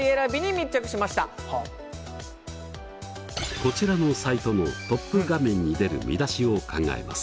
こちらのサイトのトップ画面に出る見出しを考えます。